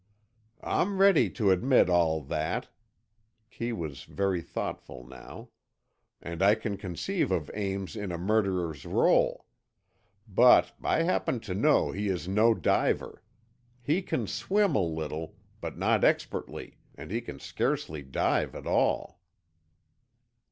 "I'm ready to admit all that," Kee was very thoughtful now; "and I can conceive of Ames in a murderer's rôle. But I happen to know he is no diver. He can swim a little, but not expertly, and he can scarcely dive at all."